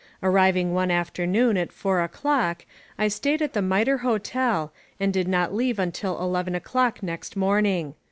Arriving one afternoon at four o'clock, I stayed at the Mitre Hotel and did not leave until eleven o'clock next morning.